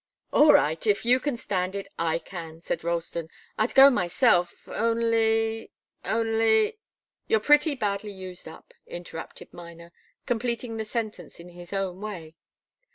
"All right if you can stand it, I can," said Ralston. "I'd go myself only only " "You're pretty badly used up," interrupted Miner, completing the sentence in his own way.